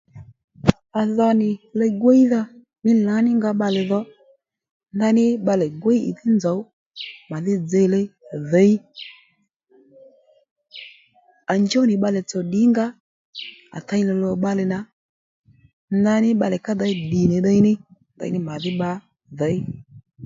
Ma dho nì ligwídha mí lǎnínga bbalè dho ndaní bbalè gwíy ìdhí nzòw màdhí dzilíy dhǐy à njúw nì bbalè tsò ddìngaó à tey nì lò bbalè nà nbdaní bbalè ka dey ddìnì ddiy ní ndaní mà dhí bba děy